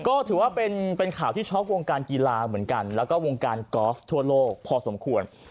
ก็ถือว่าเป็นข่าวที่ช็อกวงการกีฬาเหมือนกันแล้วก็วงการกอล์ฟทั่วโลกพอสมควร